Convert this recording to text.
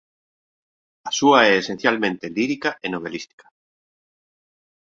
A súa é esencialmente lírica e novelística.